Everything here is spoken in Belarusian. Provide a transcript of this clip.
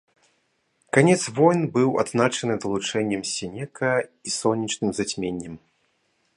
Канец войн быў адзначаны далучэннем сенека і сонечным зацьменнем.